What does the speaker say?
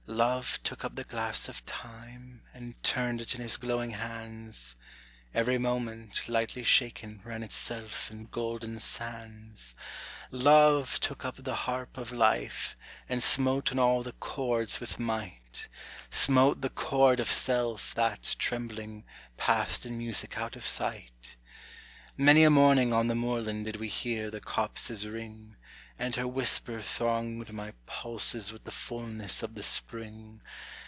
Love took up the glass of time, and turned it in his glowing hands; Every moment, lightly shaken, ran itself in golden sands. Love took up the harp of life, and smote on all the chords with might; Smote the chord of self, that, trembling, passed in music out of sight. Many a morning on the moorland did we hear the copses ring, And her whisper thronged my pulses with the fulness of the spring.